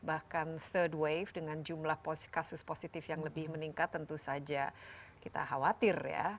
bahkan third wave dengan jumlah kasus positif yang lebih meningkat tentu saja kita khawatir ya